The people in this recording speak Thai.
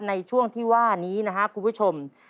ในช่วงที่ว่านี้นะครับคุณผู้ชม